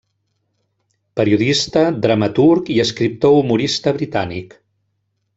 Periodista, dramaturg i escriptor humorista britànic.